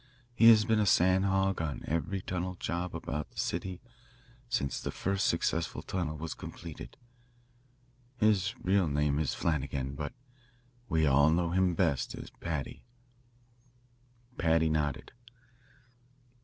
He has been a sand hog on every tunnel job about the city since the first successful tunnel was completed. His real name is Flanagan, but we all know him best as Paddy." Paddy nodded.